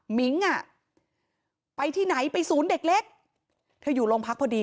มิ้งอ่ะไปที่ไหนไปศูนย์เด็กเล็กเธออยู่โรงพักพอดี